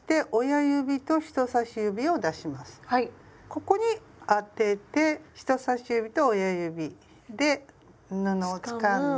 ここに当てて人さし指と親指で布をつかんで。